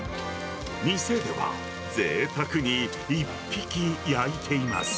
店では、ぜいたくに１匹焼いています。